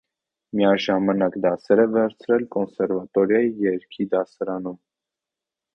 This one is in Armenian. Միաժամանակ դասեր է վերցրել կոնսերվատորիայի երգի դասարանում։